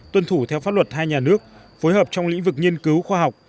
tuân thủ theo pháp luật hai nhà nước phối hợp trong lĩnh vực nghiên cứu khoa học